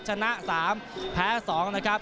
ชนะ๓แพ้๒นะครับ